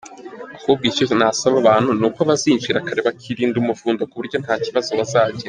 Ahubwo icyo nasaba abantu ni uko bazinjira kare bakirinda umuvundo kuburyo ntakibazo bazagira.